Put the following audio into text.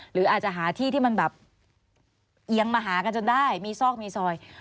หรืออาจจะหาที่ที่มันแบบเอียงมาหากันจนได้มีซอกมีซอย